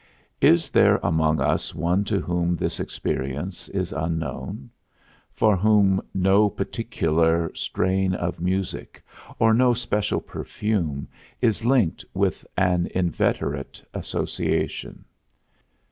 Is there among us one to whom this experience is unknown? For whom no particular strain of music, or no special perfume, is linked with an inveterate association?